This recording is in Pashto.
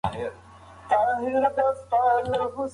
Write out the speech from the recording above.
دا سامان چا راوړی دی؟